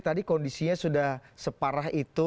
tadi kondisinya sudah separah itu